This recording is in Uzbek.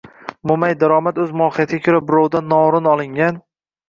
Mo‘may daromad o‘z mohiyatiga ko‘ra birovdan noo‘rin olingan